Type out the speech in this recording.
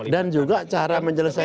dan juga cara menjelaskan